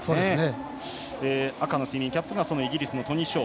赤のスイミングキャップがイギリスのトニ・ショー。